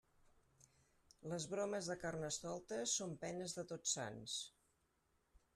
Les bromes de Carnestoltes són penes de Tots Sants.